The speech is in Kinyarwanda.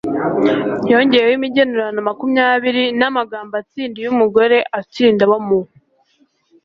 yongeyeho imigenurano makumyabiri n'amagambo atsinda iyo umugore atsinda abo mu